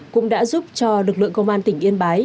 cũng đã giúp cho lực lượng công an tỉnh yên bái